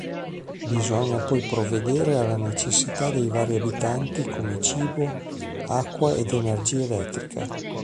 Bisogna poi provvedere alle necessità dei vari abitanti come cibo, acqua ed energia elettrica.